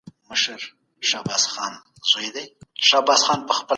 د مجلس غړي چېرته کښېني؟